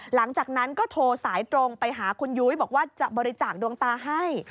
หลังจากนั้นก็โทรสายตรงไปหาคุณยุ้ยบอกว่าจะบริจาคดวงตาให้